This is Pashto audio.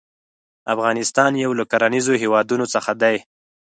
افغانستان يو له کرنيزو هيوادونو څخه دى.